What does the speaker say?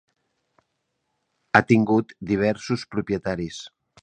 Ha tingut diversos propietaris.